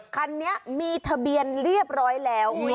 คันนี้มีทะเบียนเรียบร้อยแล้ว